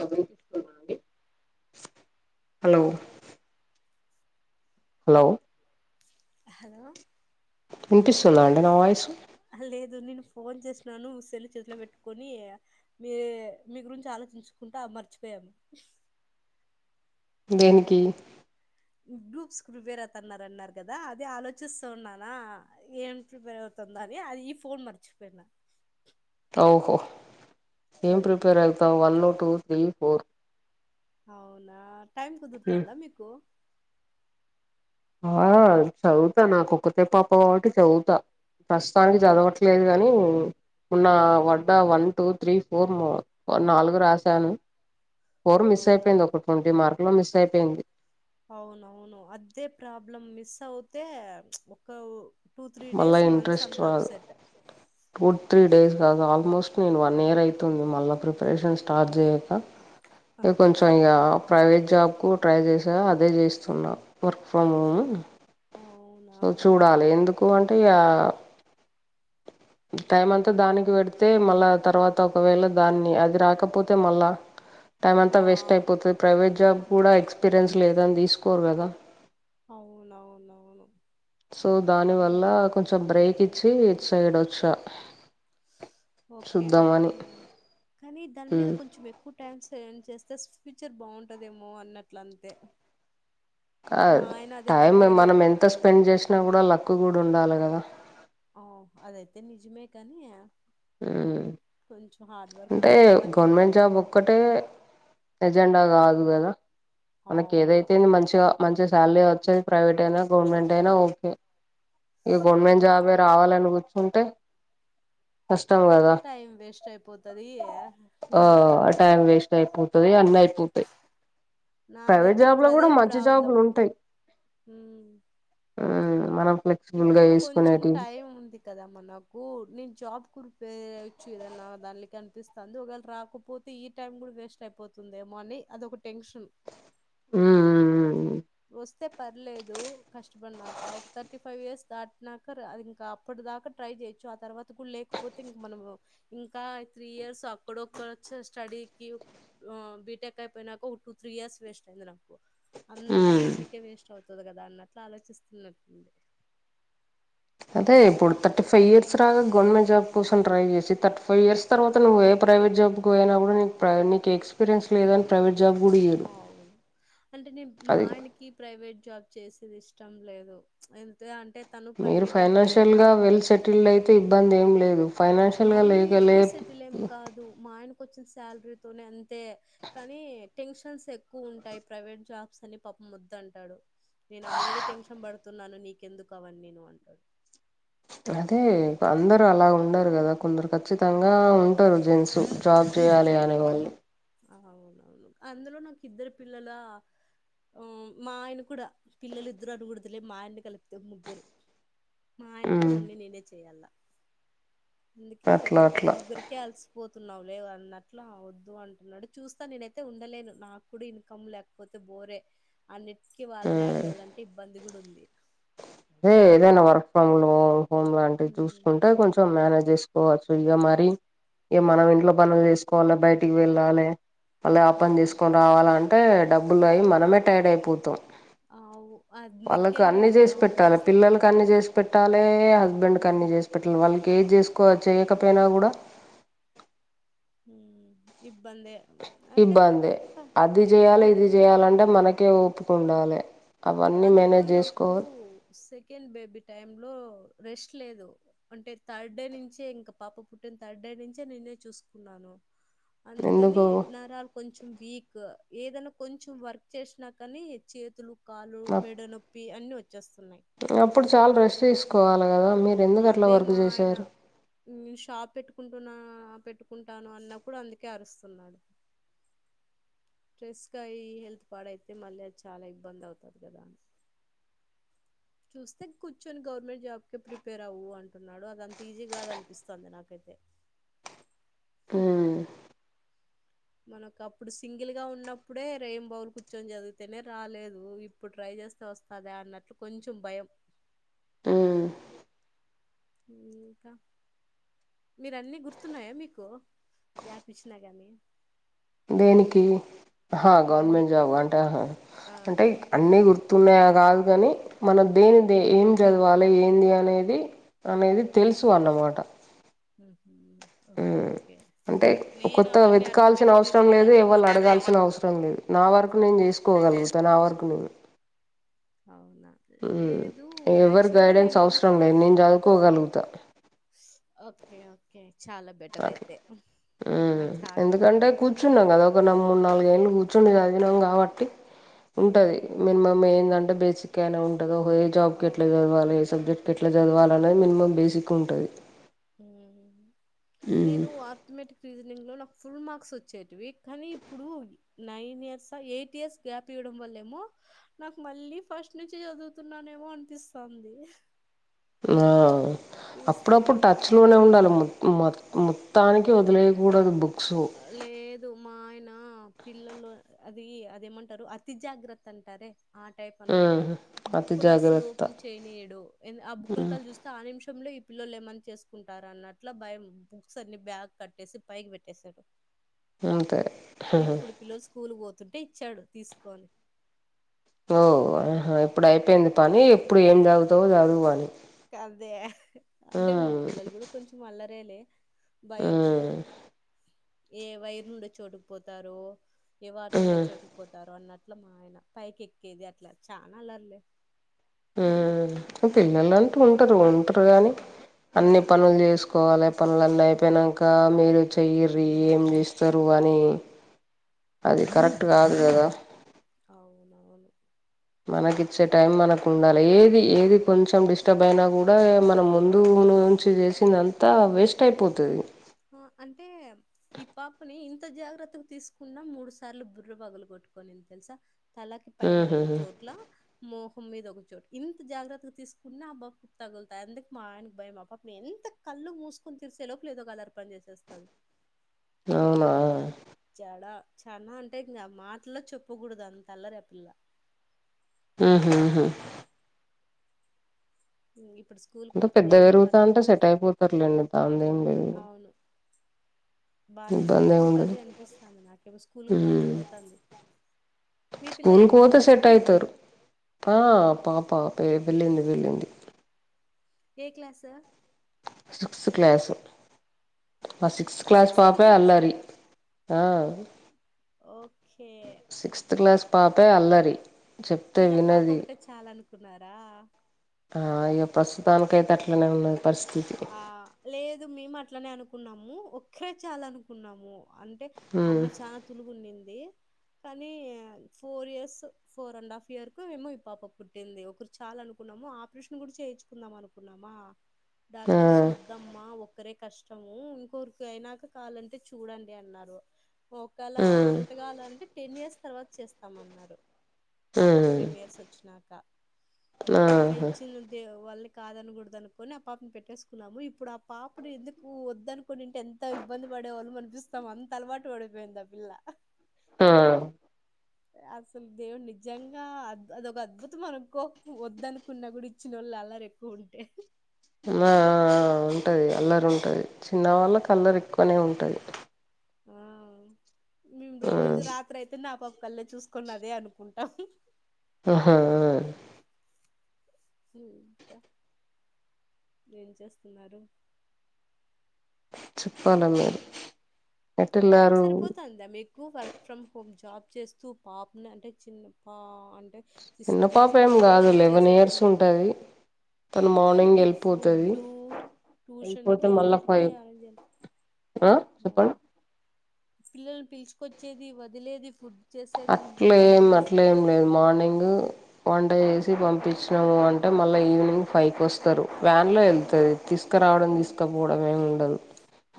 ఆ వినిపిస్తుందా అండి హలో హలో హలో వినిపిస్తుందా అండి నా వాయిస్సు అహ లేదు నేను ఫోన్ చేసినాను సెల్లు చేతిలో పెట్టుకొని మీ మీ గురించి ఆలోచించుకుంటా మర్చిపోయాము దేనికి మీర్ గ్రూప్స్ కి ప్రిపేర్ అవుతున్నదన్నారు కదా అదే ఆలోచిస్తా ఉన్నానా ఏం ప్రిపేర్ అవుతుంద అని ఆ ఈ ఫోన్ మర్చిపోయినా ఓహో ఏమ్ ఓకే ప్రిపేర్ అయితా వన్ టు త్రీ ఫోర్ అవునా టైమ్ కుదురుతాందా మీకు ఆ చదువుతా నాకు ఒక్కతే పాప కాబట్టి చదువుతా ప్రస్తుతానికి చదవట్ లేదు గాని ఉన్న అవు వంట వన్ టూ త్రీ ఫోర్మ్ నాలుగు రాశాను ఫోర్ మిస్ అవునా అయిపోయింది ఒక ట్వం టీ మార్కులు మిస్ అయిపోయింది అవునవును అదే ప్రాబ్లం మిస్ అవుతే ప్చ్ ఒక టూ త్రీ మళ్ళా డేస్ మంత్స్ ఇంట్రెస్ట్ అంతా రాదు అప్సెట్ టూ త్రీ డేస్ కాదు ఆల్మోస్ట్ నేను వన్ ఇయర్ అయితుంది మళ్ళ ప్రిపరేషన్ స్టార్ట్ చేయ క ఇక అవునా కొంచెం ఇగ ప్రైవేట్ జాబ్కు ట్రై చేసా అదే చేస్తున్నా వర్క్ ఫ్రమ్ హోము ఓ సో చూడాలి ఎందుకు అంటే ఇగ టైం అంతా దానికి పెడితే మళ్ళా తర్వాత ఒకవేళ దాన్ని అది రాకపోతే మళ్ళా టైం అంతా వేస్ట్ ఆ అయిపోతది ప్రైవేట్ జాబ్ కూడా ఎక్స్పీరియన్స్ లేదని తీసుకోరు గదా అవునవును అవును సో దాని వల్ల కొంచెం బ్రేక్ ఇచ్చి ఇట్‌సైడ్ వచ్చా ఓకే చూద్దామని ఓకే కానీ దాని మీద ఉమ్ కొంచం ఎక్ క్కువ్ టైం సేండ్ చేస్తే ఫ్యూచర్ బాగుంటదేమో అన్నట్లంతే కాద్ టైమ్ పట్టాడు. మనం ఎంత స్పెండ్ చేసినా కూడా లక్ కూడా ఉండాల గద ఓ అదైతే నిజమే కానీ య ఉమ్ ఉం ఉ కొంచెం హార్డ్ వర్క్ కూడా ఇంపార్టెంట్ లెండి ఒకటే ఎజెండా కాదు గదా మనక్ అవును. ఏదైతేన్ మంచిగా మంచి శాలరీ ఒచ్చేది ప్రైవేట్ అయినా గవర్నమెంట్ అయినా ఓకే ఇ గవర్నమెంట్ జాబే ఓకే. రావాలని కూర్చుంటే కష్టం కదా టైమ్ వేస్ట్ అయిపోతది యే ఇంగ్ అంత తయిపోతుది అన్నియిపోతుయ్ ప్రైవేట్ నాదైతే జాబ్ ఇప్పుడు లో గూడ అదే మంచి ప్రాబ్లం. జాబులుంటయ్ హ్మ్. ఊ మనం ఫ్లెక్సిబుల్ గా ఏసుకునేటివి ఎ ఉంది కద మనకు నేను జాబ్ కురిపోయచ్చు ఏదన్నా దాన్లే కనిపిస్ సందు ఒగాళ రాకపోతే ఈ టైం కూడా వేస్ట్ అయిపోతుందేమోని అదొకట్ టెన్షన్ ఉమ్ ఉమ్ ఒస్ తే పర్లేదు కష్టపడినాక ఒక థర్టీ ఫైవ్ ఇయర్స్ దాటినాక ర అదిఇంకా అప్పటి దాకా ట్రై చేయొచ్చు ఆ తర్వాత కూడా లేకపోతే ఇంక మనం ఇంకా త్రీ ఇయర్స్ అక్కడొక్కడొచ్చే స్టడీకి వా బిటెక్ అయిపోయినాక ఒక టూ త్రీ ఇయర్స్ వేస్ట్ అయింది నాకు ఉమ్ అంతా ఉమ్ దీన్లకెవేస్ట్ అవుతది కదా అన్నట్లు ఆలోచిస్తున్నట్టుంది అదే ఇప్పుడు థర్టీ ఫైవ్ ఇయర్స్ రాగా గవర్నమెంట్ జాబ్ కోసం ట్రై చేసిథర్టీ ఫైవ్ ఇయర్స్ తర్వాత నువ్వు ఏ ప్రైవేట్ జాబ్ కు పోయినప్పుడు నీక్ ప్రై నీ కి ఎక్స్పీరియన్స్ లేదన్ ప్రైవేట్ జాబ్ గుడియ్ నౌవును అంటే నేన్ మా ఆయన్ క్ కి ప్రైవేట్ జాబ్ చేసేది ఇష్టం లేదు ఎంతే అంటే తను మీరు ప్రైవేట్ ఫైనాన్షియల్ ఎంప్లాయేనా గా వెల్ సెటిల్డ్ అయితే ఇబ్బంది ఏం లేదు ఫైనాన్షియల్ గా మరీ ఎక్కువ లేగలేప్ సెటిల్ ఏం కాదు మా ఆయనకోచ్చిన్ శాలరీతోనే అంతే కానీ టెన్షన్స్ ఎక్కువుంటాయ్ ప్రైవేట్ జాబ్స్ అని పపమొద్దంటాడు నేన్ ఆల్రెడీ టెన్షన్ బడ్ తున్నాను నీకెందుకు అవన్నీను అంటడ్ అదే అందరు అలా ఉమ్ ఉండరు గదా కొందరు ఖచ్చితంగా ఉన్ టరు జెన్సు జాబ్ చేయాలి అనే వాళ్ళు అవునవును అందులో నాక్ ఇద్దరు పిల్లలా ఓ మా ఆయన కూడా పిల్లల్ ఇద్దరు అనకూడదులే మా ఆయన కలిపితే ముగ్గురు మా ఆయన క్కూడా ఉమ్ అన్ని నేనే చెయ్యాల ఇందుకీ యే అట్లా ఈ అట్లా ముగ్గురికే అలసిపోతున్నావు లేవ్ అన్నట్లా వద్దు అంట్ ల్లడు చూస్తా నేనైతే ఉండలేను నాక్కూడ ఇన్కం లేకపోతే బోరే అన్నిటికీ వాళ్ళనే అడగాలంటే ఇబ్బంది గూడుంది దే ఏదైనా వర్క్ ఫ్రమ్ నో హోమ్ లాంటివి ఉమ్ చూసుకుంటే కొంచ్ ఫ్రం మేనేజేసుకోవచ్చు ఇగ మరి ఇ మనం ఇంట్లో పనులు చేసుకోవాలె బయటిక్ వెళ్ళాలె అల్లే అపన్ ఉమ్ తీసుకొన్ రావాల అంటే డబ్బుల్ అయి మనమే టైడ్ అయిపోతాం ఆవు అద్దుకేన్నేను ఎష్ పెట్టాలె పిల్ల కన్ని జేస్ పెట్టాలే హస్బెండ్ ఉమ్ కన్ని జేశ్ ప్పట్ల వాళ్ళక్ ఏజ్ చేసుకో చేయకపోయినా కూడా ఊమ్ ఇబ్బందె ఇబ్బందే అది జేయాలె ఇది పర్లేదు జేయాలంటే మనకే ఓపికుండాలె అవన్నీ అందులో మేనేజ్ జేస్కో నాకు సెకండ్ బేబీ టైమ్ లో రెస్ట్ లేదు అంటే థర్డ్ డే నుంచే ఇంకా పాప పుట్టిన థర్డ్ డే నుంచే నేనే చూసుకున్నాను అందుకని ఎందుకు నారాలు కొంచెం వీక్ ఏదైనా కొంచెం వర్క్ చేసినా కాని చేతులు కాలు నాకు మెడనో పి అన్నీ వచ్చేస్తున్నాయి అప్పుడు చాలా రెస్ట్ తీసుకోవాలి కదా మీరు ఎందుకు అట్లా అదే వర్క్ మా ఆయన చేసారు షాప్ పెట్టుకుంటున్నా పెట్టుకుంటాను అన్న కూడా అందుకే అరుస్తున్నాడు స్ట్రెస్ గా అయ్యి హెల్త్ పాడ అయితే మళ్ళీ అది చాలా ఇబ్బంది అవుతంది కదా అని చూస్తే కూర్చొని గవర్నమెంట్ జాబ్కే ప్రిపేర్ అవ్వు అంటున్నాడు అదంత ఈజీ కాదు అనిపిస్తుంది నాకైతే ఉమ్ మనకు అప్పుడు సింగిల్ గా ఉన్నప్పుడే రెయిం బౌల్ కూర్చొని చదివితేనే రాలేదు ఇప్పుడు ట్రై చేస్తే వస్తదా అన్నట్లు కొంచెం భయం ఉమ్ ఇంకా మీరు అన్ని గుర్తున్నాయా మీకు గ్యాప్ ఇచ్చినా గానీ దేనికి ఆహా ఇవన్నీ గవర్నమెంట్ జాబ్ అంటా ఆ అంటే అన్నీ అర్- గుర్తు తున్నాయ కాదు కాని మనం దేని ఏం చదవాలి ఏంది అనేది అనేది తెలుసు అన్నమాట ఊహు ఓకే ఉమ్ ఓకే అంటే నేను కొత్తగా అవన్నీ వెతకాల్సిన అర్థమటిక్ అవసరం రీజనింగ్ లేదు అన్ని మ ఎవళ్ళు అడగాల్సిన అవసరం లేదు నా వరకు నేను చేసుకోగలుగుతా నా వరకు నేను అవునా లేదు ఎవ్వరి యాక్చువల్ గా గైడెన్స్ నేను అవసరం లేదు నేను చదువుకోగలుగుతా ఓకే ఓకే చాలా బెటర్ అట్లా అయితే ఉమ్ మంచి హార్డ్ వర్కర్ ఎందుకంటే అయితే కూర్చున్నాం కదా ఒక మూడు నాలుగేళ్ళు కూర్చుండి చదివినం కాబట్టి ఉంటుంది హ్మ్ మినిమమ్ ఏంటంటే బేసిక్ అయినా ఉంటుంది ఒక ఏ జాబ్కి ఎట్లా అవును చదవాాలి ఏ సబ్జెక్ట్ ఎట్లా చదవాలినేది మినిమం బేసిక్ ఉంటది ఉమ్ నేను అర్థమెటిక్ రీజనింగ్ లో నాకు ఫుల్ మార్క్స్ వచ్చేటివి కానీ ఇప్పుడు nine years eight years gap ఇవడం వలేమో నాకు మళ్ళీ ఫస్ట్ నుంచి చదువుతున్నానేమో అనిపిస్తుంది ఆ తీస్తుంటే అప్పుడప్పుడు టచ్ లోనే ఉండాలి మొత్తానికి వదిలే ఆ, కూడదు బుక్స్ లేదు మా ఆయన పిల్లలు అది అదేమంటారు అతి జాగ్రత్త అంటారే ఆ టైప్ అనమాట ఉమ్ అతి బుక్కులు అస్సలు జాగ్రత్త ఓపెన్ చేయనియడు ఆ బుక్ల కల్ చూస్త ఆ నిమిషంలో ఈ పిల్లలు ఏమని చేసుకుంటార అన్నట్ల భయం బుక్స్ అన్ని బ్యాగ్ కట్టేసి పైకి పెట్టే సారు అంతే ఇప్పుడు పిల్లలు స్కూల్ పోతుంటే ఇచ్చాడు తీసుకొని ఓ ఓహో ఇప్పుడు అయిపోయింది పని ఇప్పుడు ఏం చదువుతావో చదువు ఆని ఇక అంతేగా అంటే మా పిల్లలు కూడా కొంచెం అల్లరేలే భయం ఉమ్ ఏ వైరుఉండే చోటుకుపోతారో ఏ వాటర్ ఉండే ఉమ్ చోటుకు పోతారు అన్నట్లు మా ఆయన పైకి ఎక్కేది అట్లా చాలా అలర్లే ఉమ్ పిల్లలు అంటూ ఉంటారు ఉంటరు గాని ఉమ్, అన్ని పనులు చేసుకోవాలి పనులు అన్నీ అయిపోయినాక మీరు చ చెయ్యరు ఏం చేస్తారో అని అది కరెక్ట్ కాదు కదా అవునవును మనకి ఇచ్చే టైం మనకు ఉండాలి ఏది ఏది కొంచెం డిస్టర్బ్ అయినా కూడా మనం ముందు [unintelligible] చేసింది అంతా వేస్ట్ అయిపోతది అంటే ఈ పాపని ఇంత జాగ్రత్తగా తీస్ [unintelligible] మూడు సార్లు బుర్రు పగలు కొట్టుకనింది తెలుసా తలకి పైన ఉహు రెండు చోట్ల మోహం మీద ఒకచోటు ఇంత జాగ్రత్తగా తీసుకున్నా ఆ తగులుతాయి అందుకు మా ఆయనకు భయం మా పాపని ఎంత కళ్ళు మూసుకుని తీరిసే లోపు లే ఏదో కలర్ పని చేసేస్తుంది అవునా [unintelligible] అంటే మాటలో చెప్పకూడదు అంత అల్లరి ఆపిల్ల ఉహు ఇప్పుడు స్కూల్‌కి అంట పోతుంది పెద్ద ఏమంటే పెరుగుతా అంటే మధ్యాహ్నం సెట్ వస్తాది. అయిపోతారులేండి [unintelligible] అవును. బానే ఇబ్బంది సెట్ ఏం అవుతది ఉండదు అనిపిస్తుంది నాకేమో స్కూల్ కు బానే ఉమ్ పోతంది మీ పిల్ల స్కూల్ కు పోతే ఎళ్తుందా సెట్ స్కూల్కి అయితారు ఆ పాప వెళ్ళింది వెళ్ళింది ఎ క్లాసు సిక్స్త్ క్లాసు ఆ సిక్స్త్ క్లాస్ పాపే అల్లరి ఆ ఒకే సిక్స్త్ క్లాస్ పాపే అల్లరి చెప్తే మీరు ఆ పాప వినది ఒకటే చాలనుకున్నారా ఆ ఇ ప్రస్తుతానినికి ఐతే అట్లనే ఉన్నది పరిస్థితి ఆ లేదు మేము అట్లనే అనుకున్నాము ఒక్కే చాలు అనుకున్నాము అంటే ఉమ్ అమ్మాయి చాలా తులుగున్నింది కానీ four years four and half ఇయర్కు మేమో ఈ పాప పుట్టింది ఒకరు చాలు అనుకున్నాము ఆపరేషన్ కూడా చేయించుకుందాం అనుకున్నామా ఆ డాక్టర్స్ ఒ వద్దమ్మా ఒక్కరే కష్టము ఇంకొరికి అయినాక కావాలంటే చూడండి అన్నారు ఒకేళ ఉమ్ అంతగాల అంటే టెన్ ఇయర్స్ తర్వాత చేస్తామన్నారు ఉమ్ పాపాకు టెన్ ఇయర్స్ వచ్చినక ఆహా వాళ్ళని కాదనకూడదు అనుకొని పాపని పెట్టేసుకున్నాము ఇప్పుడు ఆ పాపని ఎందుకు వద్దనుకోనింటే ఎంత ఇబ్బంది పడే వాళ్ళు అనిపిస్ అంత అలవాటు పడిపోయింది ఆ పిల్ల ఆ అసలు దేవుడు నిజంగా అదొక అద్భుతం అనుకో వద్దనుకున్న కూడా ఇచ్చిన వాళ్ళు అల్ల రె [unintelligible] ఆ ఉంటది అల్లరి ఉంటది చిన్న వాళ్ళకి అవ్ అల్లరి ఎక్కువనే ఉంటది ఆ మేము ఆ రోజు రాత్రి అయితే [unintelligible] పాప కల్ళ చూసుకున్న అదే అనుకుంటాం ఆహా ఆ ఇంకా ఏం చేస్తున్నారు చెప్పాల మీరే [unintelligible] ఎక్కువ వర్క్ ఫ్రమ్ హోమ్ జాబ్ చేస్తూ పాపని అంటే చిన్న పా అంటె సిక్స్త్ చిన్న పాప క్లాస్ ఏం అన్నా కూడా కాదు వర్క్ లెవెన్ చేసే ఇయర్స్ [unintelligible] ఉంటది తను అనా కానీ మార్నింగ్ వాళ్ళకి వెళ్ళిపోతది ఫుడ్డు ట్యూషన్ వెళ్ళిపోతే కి మళ్ళా అన్నిటికి ఫైవ్ [unintelligible] ఆ చెప్పండ్ పిల్లల్ పిలుచుకొచ్చేది వదిలేది ఫుడ్ చేసేది ఇంట్లో పనులు అట్లెం చేసేది అట్లెం లేదు మార్నింగు వంట చేసి ఉమ్, పంపించినము అంటే మళ్ళీ ఈవినింగ్ ఫైకోస్ స్తరు వ్యాన్ లో ఉమ్. వెళ్తారు తీసుకురావడం తీసుకపోవడం ఏమి ఉండదు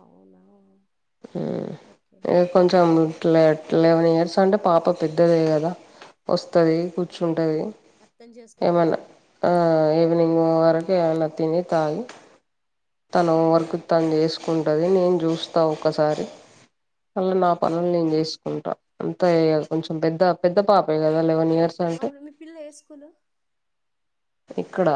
అవున ఉమ్ ఇగ కొంచెం ట్ల కొంచెం లెవెన్ ఇయర్స్ అంటే పాప పెద్దదే కదా వస్తది అవును కూర్చుంటది అర్థం ఏమల చేసుకుంటాదిలే ఆ ఈవనింగ్ వరకు ఏమన్నథిని తాగి తన హోంవర్క్ ఉమ్, తను చేసుకుంటది నేను చూస్త ఒకసారి అళ్ళ నా ఉమ్. పనులు నేను చేసుకుంట అంత కొంచెం పెద్ద పెద్ద పాపే కదా లెవెన్ ఇయర్స్ అంటే అవును మీ పిల్ల ఏ స్కూలు ఇక్కడ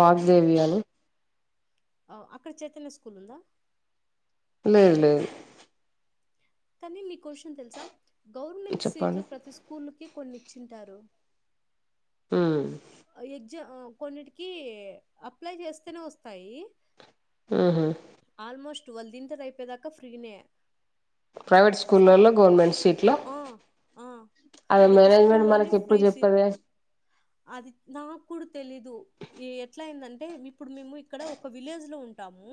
వాగ్దేవి అని అవు అక్కడ చైతన్య స్కూలుంద లేదులేద్ కానీ మీ క్వశ్చన్ తెలుసా గవర్నమెంట్ చెప్పండి సీట్లు ప్రతి స్కూల్కి కొన్ని ఇచ్చింటరు ఉమ్ ఆ ఎగ్జా ఆ కొన్నిటికి అప్లై చేస్తనే వస్తాయి ఉహు ఆల్మోస్ట్వాళ్ళదింటర్ అయిపోదాకా ఫ్రీనే ప్రైవేట్ జిస్తబ్ స్కూళ్ళలో గవర్నమెంట్ సీట్లో ఆ ఆ అది ప్రతి మేనేజ్మెంట్ స్కూలోనే మనకి ఫ్రీ ఎప్పుడు సిట్ చెప్పదే అది నాకు తెలీదు ఇ ఎట్లయిందంటే ఇప్పుడు మేము ఇక్కడ ఒక విలేజ్ లో ఉంటాము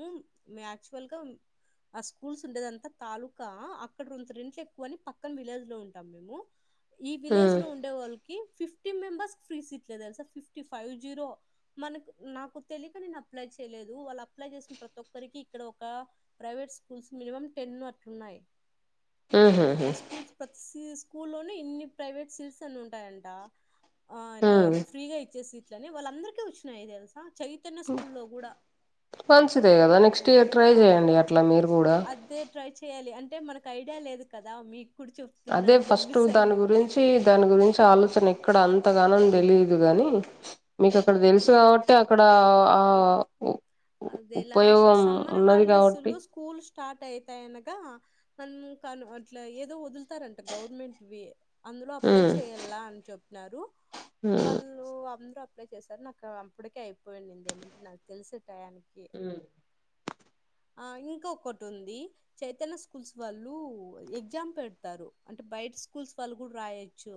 మేక్చువల్గా ఆ స్కూల్స్ ఉండేదంతా తాలూకా అక్కడ రెం రెంట్లు ఎక్కువ అని పక్కన విలేజ్లో ఉంటాం మేము ఈ విలేజ్ మ్మ్ లో ఉండే వాళ్ళకి ఫిఫ్టీ మెంబర్స్ ఫ్రీ సీట్లేదు తెలు సార్ ఫిఫ్టీ ఫైవ్ జీరో మనకు నాకు తెలియక నేను అప్లై చేయలేదు వాళ్ళు అప్లై చేసిన ప్రతి ఒక్కరికి ఇక్కడ ఒక ప్రైవేట్ స్కూల్స్ మినిమం టెన్ అట్లున్నయి ఉహు ఆ స్కూల్స్ ప్రతి స్కూల్ల్లోనే ఇన్ని ప్రైవేట్ సిల్స్ అన్ని ఉంటయంట ఆ ఇట్లే మ్మ్ ఫ్రీగా ఇచ్చేసి ఇట్లనే వాళ్ళ అందరికీ వచ్చినయి తెలుసా చైతన్య స్కూల్ల్లో కూడా మంచిదే కదా నెక్స్ట్ ఇయర్ ట్రై ఆ చేయండి అట్ల మీరు కూడా అదే ట్రై చేయాలి అంటే మనకు ఐడియా లేదు కదా మీకుడు చప్ అదే ఫస్ట్ దాని గురించి దాని గురించి ఆలోచ కనీక్కడ అంతగానం తెలీదు గానీ మీకు అక్కడ అవునా తెలుసు కాబట్ అయితే అక్కడ ఆ ఉ అదే లాస్ట్ ఉపయోగం సమ్మర్ ఉన్నది కాబట్టి హాలిడేస్లో స్కూల్ స్టార్ట్ అయితయినగా తన్ కాను అట్ల ఏదో వదులుతారంట గవర్నమెంట్వీ అందులో అప్లై ఉమ్ చేయల్ల అని చెప్పినరు వాళ్ళు అందరప్లై చేశారు నాకు అప్పడికే అయిపోయిండింది ఏమంటే నాకు తెలిసె టయానికి ఉమ్ ఆ ఇంకోకటుంది చైతన్య స్కూల్స్ వాళ్ళు ఎగ్జామ్ పెడతారు అంటే బయట స్కూల్స్ వాళ్ళు కూడా రాయొచ్చు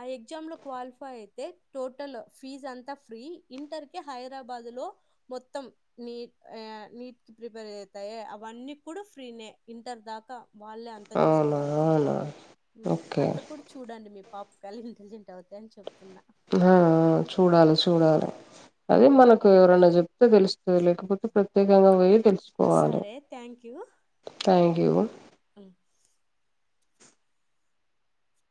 ఆ ఎగ్జామ్లో క్వాలిఫై అయితే టోటల్ ఫీజ్ అంతా ఫ్రీ ఇంటర్ కి హైదరాబాద్ లో మొత్తం నీ యానీట్ కి ప్రిపేర్ అయితాయే అవన్నీ కూడా ఫ్రీనే ఇంటర్ దాకా వాళ్ళే అంతా అవునా చూసుకుంటారు అవునా ఉమ్ ఓకే అట్లు కుడి చూడండి మీ పాప్స్కళ్ ఇంటెలిజెంట్ అవుతాయ్ అని చెప్తున్నా ఆ ఆ చూడాలి చూడాలి అదే మనకు ఎవరన్న చెప్తే తెలుస్తది లేకపోతే ప్రత్యేకంగా పోయి ఆ! తెలుసుకోవాలి సరే థ్యాంక్ యూ అ